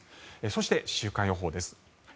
そして、週間予報です。